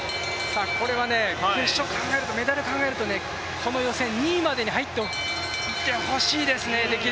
これは決勝を考えると、メダルを考えると、この予選２位までにできれば入ってほしいですね。